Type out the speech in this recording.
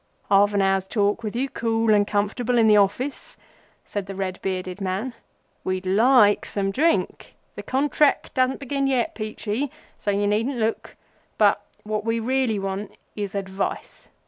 "Half an hour's talk with you cool and comfortable, in the office," said the red bearded man. "We'd like some drink—the Contrack doesn't begin yet, Peachey, so you needn't look—but what we really want is advice.